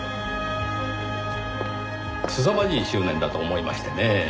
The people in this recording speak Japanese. すさまじい執念だと思いましてねぇ。